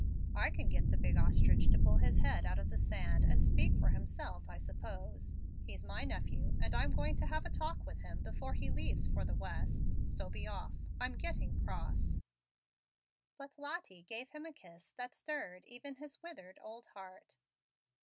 "I can get the big ostrich to pull his head out of the sand and speak for himself, I suppose. He's my nephew, and I'm going to have a talk with him before he leaves for the West. So be off; I'm getting cross." But Lottie gave him a kiss that stirred even his withered old heart.